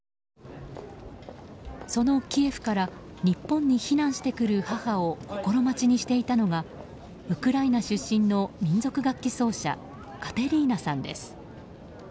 そのキエフから日本に避難してくる母を心待ちにしていたのがウクライナ出身の民族楽器奏者カテリーナさんです。